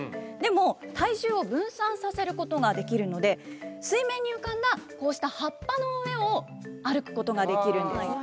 でも体重を分散させることができるので水面に浮かんだこうした葉っぱの上を歩くことができるんです。